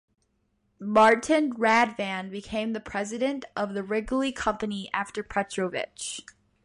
Martin Radvan became the president of the Wrigley Company after Petrovich.